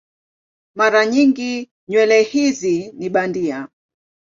Mara nyingi nywele hizi ni bandia.